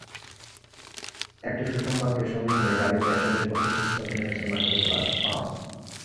একটি সুসংবাদকে সঙ্গী করেই কার্ডিফে অ্যাশেজের প্রথম টেস্ট খেলতে নেমেছেন মাইকেল ক্লার্ক—পাপ।